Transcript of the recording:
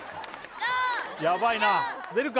やばいな出るか？